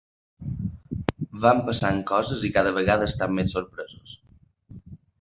Van passant coses i cada vegada estem més sorpresos.